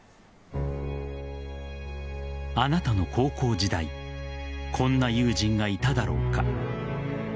あなたの高校時代こんな友人がいただろうか。